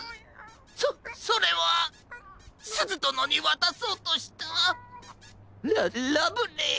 そそれはすずどのにわたそうとしたララブレ。